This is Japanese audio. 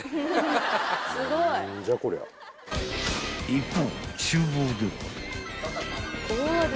［一方］